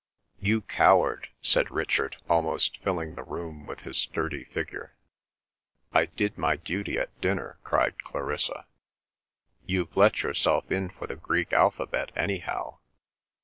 ... "You coward!" said Richard, almost filling the room with his sturdy figure. "I did my duty at dinner!" cried Clarissa. "You've let yourself in for the Greek alphabet, anyhow."